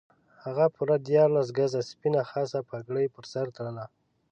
هغه پوره دیارلس ګزه سپینه خاصه پګړۍ پر سر تړله.